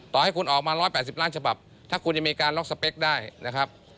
ต่อให้คุณออกมา๑๘๐ล้านฉบับถ้าคุณยังมีการล็อกสเปคได้นะครับ